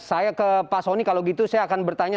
saya ke pak soni kalau gitu saya akan bertanya